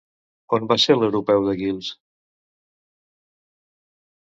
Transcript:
On va ser l'Europeu de Guils?